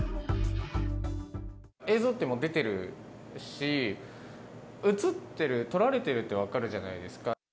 映像ってもう出てるし、写ってる、撮られてるって分かるじゃないですか。